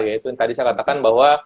yaitu yang tadi saya katakan bahwa